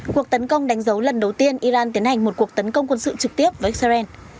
cuộc tấn công đánh dấu lần đầu tiên iran tiến hành một cuộc tấn công quân sự trực tiếp với israel